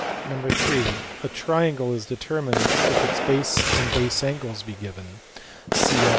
(iii) A triangle is determined if its base and base angles be given (cf.